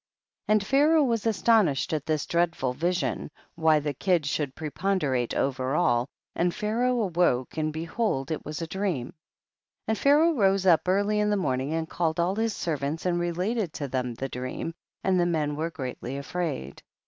15. And Pharaoh was astonished at this dreadful vision, why the kid should preponderate over all, and Pharaoh woke and behold it was a dream. 16. And Pharaoh rose up early in the morning and called all his ser vants and related to them the dream, and the men were greatly afraid.